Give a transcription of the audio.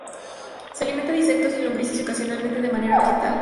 Se alimentan de insectos y lombrices, y ocasionalmente de materia vegetal.